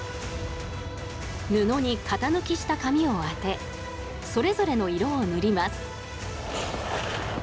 布に型抜きした紙を当てそれぞれの色を塗ります。